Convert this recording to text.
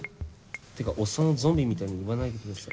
ってかおっさんをゾンビみたいに言わないでください。